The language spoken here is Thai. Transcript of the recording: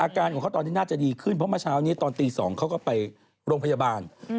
อาการของเขาตอนนี้น่าจะดีขึ้นเพราะเมื่อเช้านี้ตอนตี๒เขาก็ไปโรงพยาบาล